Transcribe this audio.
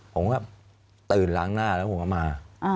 ผมก็ตื่นล้างหน้าแล้วผมก็มา